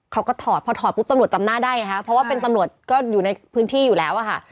ถอดพอถอดปุ๊บตำรวจจำหน้าได้ไงคะเพราะว่าเป็นตำรวจก็อยู่ในพื้นที่อยู่แล้วอะค่ะ